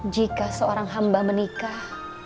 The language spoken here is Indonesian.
jika seorang hamba menikah